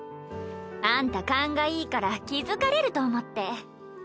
あんた勘がいいから気付かれると思って。